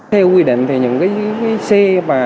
theo quy định thì những cái xe